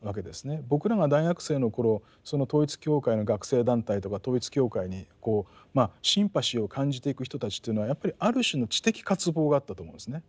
僕らが大学生の頃その統一教会の学生団体とか統一教会にシンパシーを感じていく人たちというのはやっぱりある種の知的渇望があったと思うんですね。